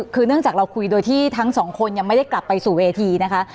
คือเนื่องจากเราคุยโดยที่ทั้งสองคนยังไม่ได้กลับไปสู่เวทีนะคะ